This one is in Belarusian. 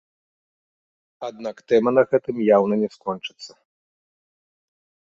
Аднак тэма на гэтым яўна не скончыцца.